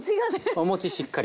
お餅しっかり。